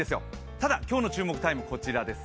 ただ、今日の注目タイムこちらです。